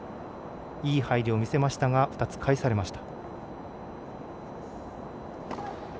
いい入りを見せましたが２つ返されました。